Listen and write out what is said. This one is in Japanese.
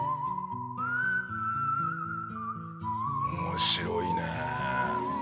面白いね。